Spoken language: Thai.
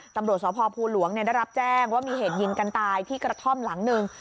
ตำรวจสพภูหลวงได้รับแจ้งว่ามีเหตุยิงกันตายที่กระท่อมหลังหนึ่ง